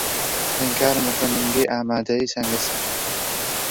خوێندکارم لە خوێندنگەی ئامادەیی سەنگەسەر.